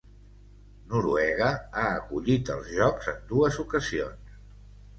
Noruega ha acollit els jocs en dues ocasions.